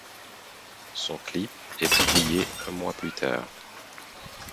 Son clip est publié un mois plus tard.